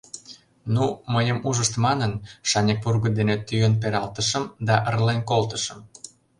Ну, мыйым ужышт манын, шаньык вурго дене тӱен пералтышым да ырлен колтышым.